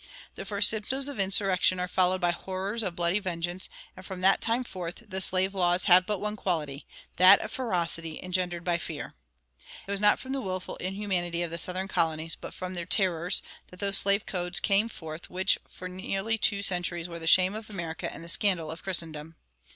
The first symptoms of insurrection are followed by horrors of bloody vengeance, and "from that time forth the slave laws have but one quality that of ferocity engendered by fear."[153:1] It was not from the willful inhumanity of the Southern colonies, but from their terrors, that those slave codes came forth which for nearly two centuries were the shame of America and the scandal of Christendom.